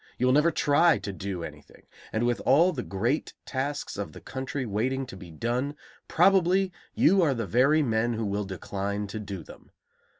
You will never try to do anything, and with all the great tasks of the country waiting to be done, probably you are the very men who will decline to do them.